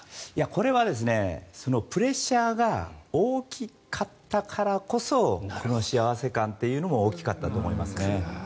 これはプレッシャーが大きかったからこそこの幸せ感というのも大きかったと思います。